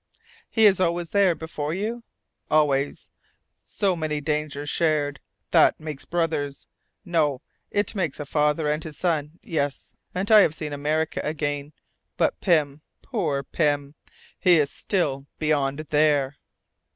"He is always there before you?" "Always! So many dangers shared! That makes brothers! No, it makes a father and his son! Yes! And I have seen America again, but Pym poor Pym he is still beyond there!"